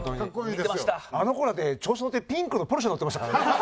あの頃だって調子のってピンクのポルシェ乗ってましたからね。